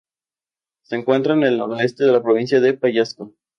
Se encuentra en el noreste de la Provincia de Pallasca.